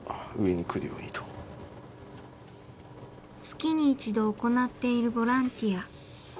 月に１度行っているボランティア。